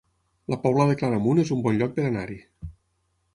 La Pobla de Claramunt es un bon lloc per anar-hi